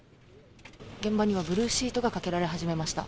現場にはブルーシートがかけられ始めました。